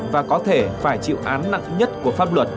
và có thể phải chịu án nặng nhất của pháp luật